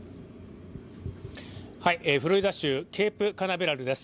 フロリダ州ケープカナベラルです。